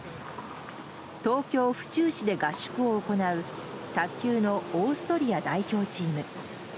東京・府中市で合宿を行う卓球のオーストリア代表チーム。